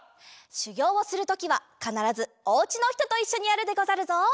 しゅぎょうをするときはかならずおうちのひとといっしょにやるでござるぞ。